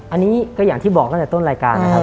อันนี้ก็อย่างที่บอกตั้งแต่ต้นรายการนะครับ